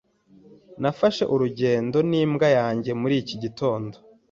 Nafashe urugendo nimbwa yanjye muri iki gitondo.